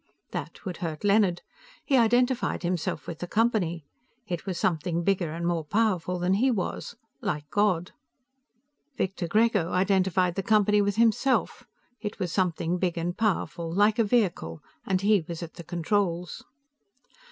That would hurt Leonard. He identified himself with the Company. It was something bigger and more powerful than he was, like God. Victor Grego identified the Company with himself. It was something big and powerful, like a vehicle, and he was at the controls.